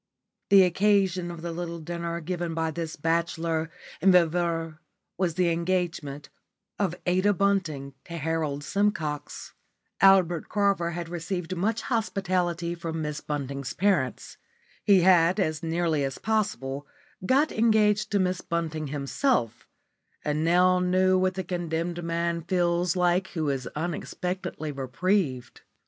The occasion of the little dinner given by this bachelor and viveur was the engagement of Ada Bunting to Harold Simcox. Albert Carver had received much hospitality from Miss Bunting's parents. He had as nearly as possible got engaged to Miss Bunting himself, and now knew what the condemned man feels like who is unexpectedly reprieved.